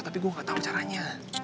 tapi gue gak tau caranya